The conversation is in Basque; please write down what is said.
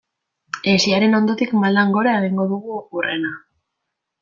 Hesiaren ondotik maldan gora egingo dugu hurrena.